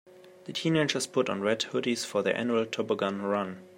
The teenagers put on red hoodies for their annual toboggan run.